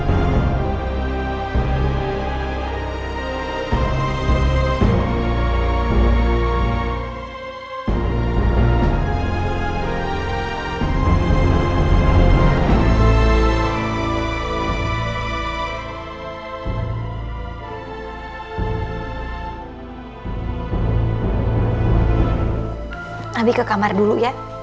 abi ke kamar dulu ya